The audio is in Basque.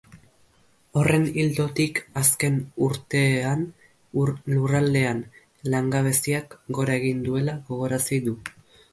Horren ildotik, azken urtean lurraldean langabeziak gora egin duela gogorarazi du.